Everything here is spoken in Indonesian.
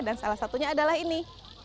dan salah satunya adalah ini